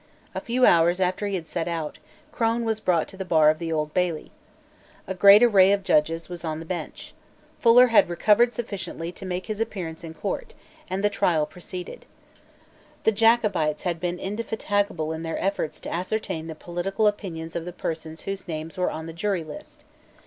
A few hours after he had set out, Crone was brought to the bar of the Old Bailey. A great array of judges was on the Bench. Fuller had recovered sufficiently to make his appearance in court; and the trial proceeded. The Jacobites had been indefatigable in their efforts to ascertain the political opinions of the persons whose names were on the jury list.